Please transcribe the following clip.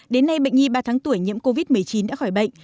đến nay bệnh nhi ba tháng tuổi nhiễm covid một mươi chín đã khỏi bệnh